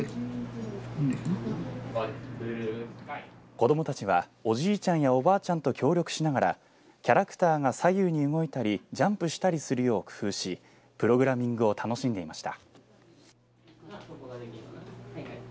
子どもたちはおじいちゃんやおばあちゃんと協力しながらキャラクターが左右に動いたりジャンプしたりするよう工夫しプログラミングを楽しんでいました。